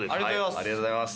ありがとうございます。